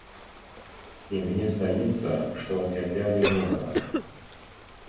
І, мне здаецца, што асвятлялі добра.